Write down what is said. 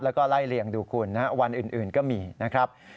แล้วก็ไล่เลี่ยงดูคุณวันอื่นก็มีนะครับ